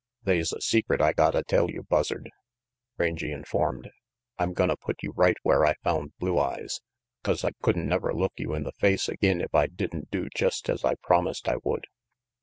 "They's a secret I gotta tell you, Buzzard," Rangy informed. "I'm gonna put you right where I found Blue Eyes, 'cause I could'n never look you in the face agin if I didn't do jest as I promised I would.